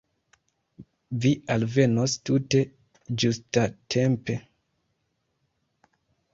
Vi alvenos tute ĝustatempe.